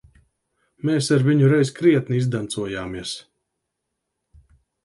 Mēs ar viņu reiz krietni izdancojāmies.